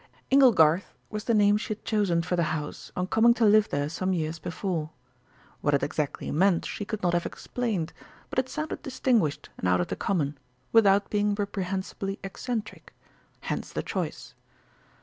"Inglegarth" was the name she had chosen for the house on coming to live there some years before. What it exactly meant she could not have explained, but it sounded distinguished and out of the common, without being reprehensibly eccentric. Hence the choice.